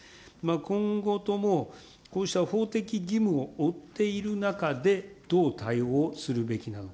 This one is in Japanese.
今後ともこうした法的義務を負っている中で、どう対応するべきなのか。